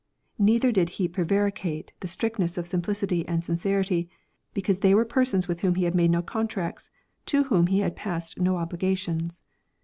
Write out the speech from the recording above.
Neither did He prevaricate the strictness of simplcity and sincerity, because they were persons with whom He had made no contracts, to whom He had passed no obligations.